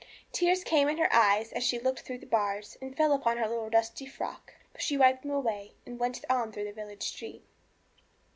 Tears came in her eyes as she looked through the bars, and fell upon her little dusty frock. But she wiped them away, and went on through the village street.